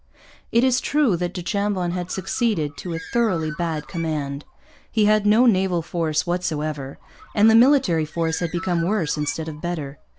It is true that du Chambon had succeeded to a thoroughly bad command. He had no naval force whatever; and the military force had become worse instead of better.